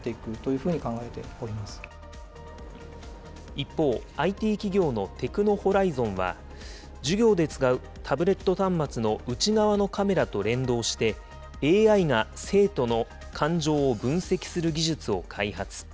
一方、ＩＴ企業のテクノホライゾンは、授業で使うタブレット端末の内側のカメラと連動して、ＡＩが生徒の感情を分析する技術を開発。